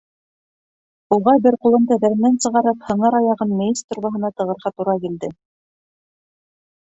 Уға бер ҡулын тәҙрәнән сығарып, һыңар аяғын мейес торбаһына тығырға тура килде.